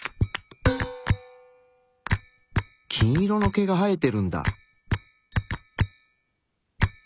金色の毛が生えてるんだ！